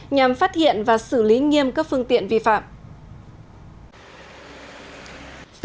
nhằm phát hiện và xử lý nghiêm các phương tiện đối với các tàu